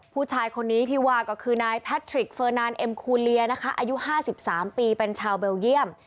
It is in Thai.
ผู้ชายคนนี้ที่ว่าก็คือนายแพทริกเฟอร์นานเอ็มคูเลียนะคะอายุ๕๓ปีเป็นชาวเบลเยี่ยม